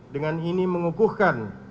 dengan ini mengukuhkan